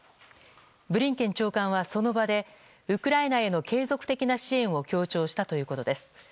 ブリンケン長官はその場でウクライナへの継続的な支援を強調したということです。